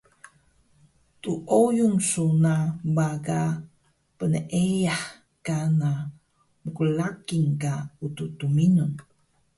Dooyun su na baga peeyah kana mqraqil ka Utux Tmninun